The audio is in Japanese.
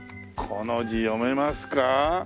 この字読めますか？